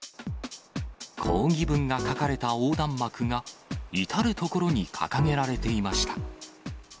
抗議文が書かれた横断幕が、至る所に掲げられていました。